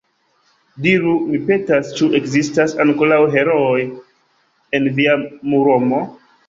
Diru, mi petas, ĉu ekzistas ankoraŭ herooj en via Muromo?